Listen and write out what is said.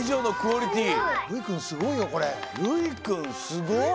すごい。